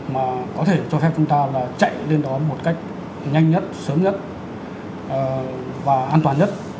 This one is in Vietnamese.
mà có thể cho phép chúng ta là chạy lên đó một cách nhanh nhất sớm nhất và an toàn nhất